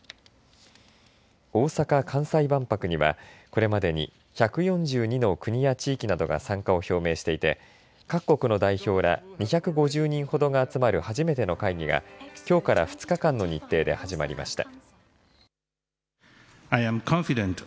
大阪、関西万博にはこれまでに１４２の国や地域などが参加を表明していて各国の代表ら２５０人ほどが集まる初めての会議がきょうから２日間の日程で始まりました。